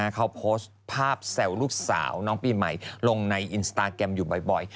เขาโพสต์ภาพแซวลูกสาวน้องปีใหม่ลงในอินสตาแกรมอยู่บ่อย